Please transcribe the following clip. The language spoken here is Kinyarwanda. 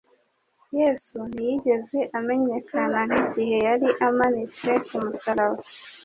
Yesu ntiyigeze amenyekana nk'igihe yari amanitse ku musaraba.